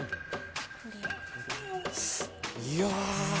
いや。